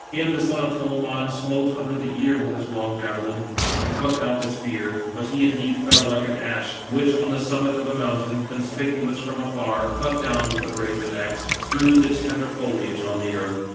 Him the son of Telamon smote under the ear with his long javelin, and plucked out the spear; but he indeed fell, like an ash, which, on the summit of a mountain conspicuous from afar, cut down with a brazen axe, strews its tender foliage on the earth.